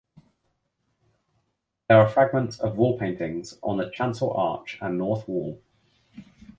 There are fragments of wall paintings on the chancel arch and north wall.